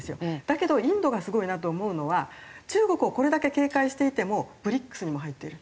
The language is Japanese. だけどインドがすごいなと思うのは中国をこれだけ警戒していてもＢＲＩＣＳにも入っている。